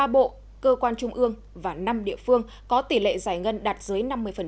một mươi ba bộ cơ quan trung ương và năm địa phương có tỷ lệ giải ngân đạt dưới năm mươi